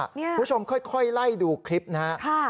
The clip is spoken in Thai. คุณผู้ชมค่อยไล่ดูคลิปนะครับ